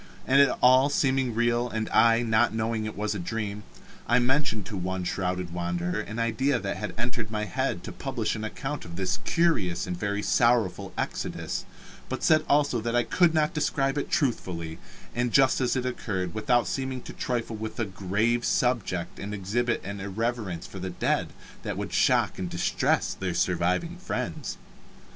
And it all seeming real, and I not knowing it was a dream, I mentioned to one shrouded wanderer an idea that had entered my head to publish an account of this curious and very sorrowful exodus, but said also that I could not describe it truthfully, and just as it occurred, without seeming to trifle with a grave subject and exhibit an irreverence for the dead that would shock and distress their surviving friends.